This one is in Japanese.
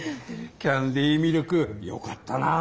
キャンディミルクよかったな。